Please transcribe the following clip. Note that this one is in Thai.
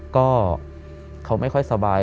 ก็เขาไม่ค่อยสบาย